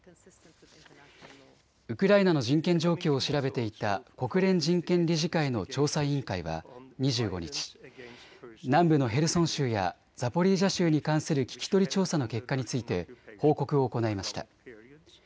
ウクライナの人権状況を調べていた国連人権理事会の調査委員会は２５日、南部のヘルソン州やザポリージャ州に関する聞き取り調査の結果について報告を行いました。